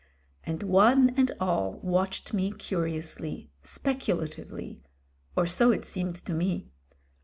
And one and all watched me curiously, speculatively — or so it seemed to me.